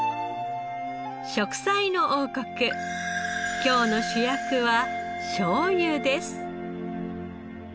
『食彩の王国』今日の主役はしょうゆです。